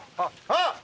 あっ！